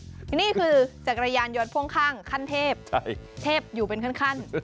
นี่คือจักรยานยนต์พ่วงข้างขั้นเทพเทพอยู่เป็นขั้น